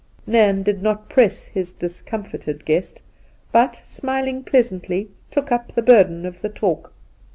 Nairn did not press his discomfited guest, but, smiling pleasantly, took up the burden of the talk.